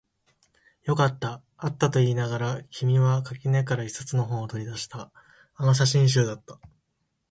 よかった、あったと言いながら、君は生垣から一冊の本を取り出した。あの写真集だった。